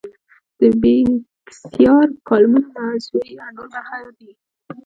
د بېکسیار کالمونه موضوعي انډول برخه دي.